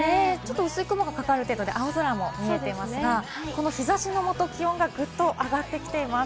薄い雲がかかるくらいで青空も見えていますが、この日差しのもと、気温がぐっと上がってきています。